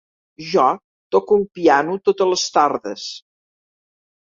Jo toco el piano totes les tardes.